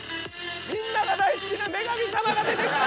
みんなが大好きな女神様が出てきた！